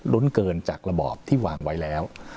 เกินจากระบอบที่วางไว้แล้ว